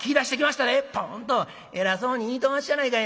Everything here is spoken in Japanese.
ポーンと偉そうに言いとうおまっしゃないかいな。